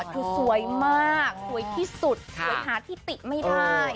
สวยมากสวยที่สุดสวยหาที่ติไม่ได้